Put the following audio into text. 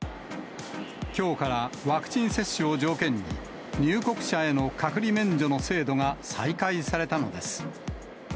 きょうからワクチン接種を条件に、入国者への隔離免除の制度が再開されたのです。